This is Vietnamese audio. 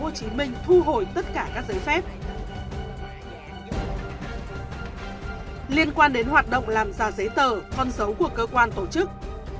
tổ chí minh thu hồi tất cả các giấy phép liên quan đến hoạt động làm giả giấy tờ con dấu của cơ quan tổ chức